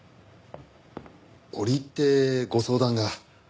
折り入ってご相談が。